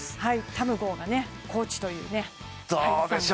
タムゴーがコーチというね。